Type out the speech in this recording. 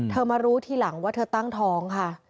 มารู้ทีหลังว่าเธอตั้งท้องค่ะ